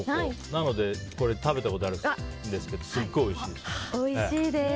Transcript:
なのでこれ食べたことあるんですけどすごいおいしいです。